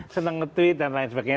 seneng nge tweet dan lain sebagainya